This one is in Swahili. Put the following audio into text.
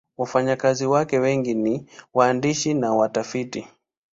Wafanyakazi wake wengi ni waandishi na watafiti.